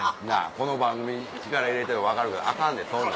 この番組力入れてるの分かるけどアカンでそういうの。